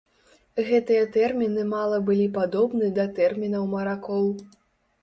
Гэтыя тэрміны мала былі падобны да тэрмінаў маракоў.